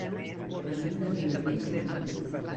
Venim de Vilobí del Penedès.